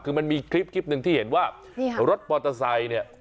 คือมันมีคลิปหนึ่งที่เห็นว่ารถมอเตอร์ไซค์เนี่ย